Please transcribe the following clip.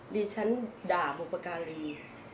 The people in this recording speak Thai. ดิฉันด่าบุปการี